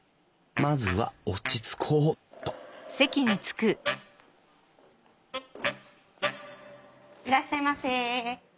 まずは落ち着こうっといらっしゃいませ。